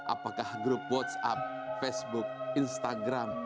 apakah grup whatsapp facebook instagram